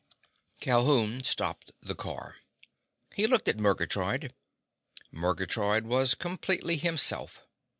Calhoun stopped the car. He looked at Murgatroyd. Murgatroyd was completely himself.